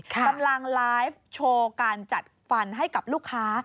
กำลังไลฟ์โชว์การจัดฟันให้กับลูกค้า